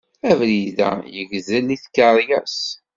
Abrid-a yegdel i tkeryas.